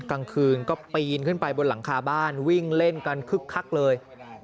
กลางคืนก็ปีนขึ้นไปบนหลังคาบ้านวิ่งเล่นกันคึกคักเลย